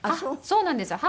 そうなんですよ。